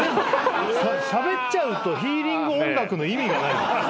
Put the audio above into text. しゃべっちゃうとヒーリング音楽の意味がない。